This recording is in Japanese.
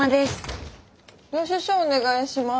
領収書お願いします。